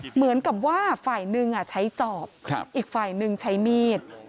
เหมือนกับว่าฝ่ายหนึ่งใช้จอบอีกฝ่ายหนึ่งใช้มีด